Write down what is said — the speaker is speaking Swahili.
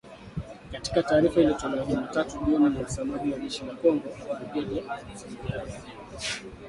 Katika taarifa iliyotolewa Jumatatu jioni na msemaji wa jeshi la CONGO Brigedia Sylvain Ekenge